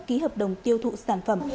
ký hợp đồng tiêu thụ sản phẩm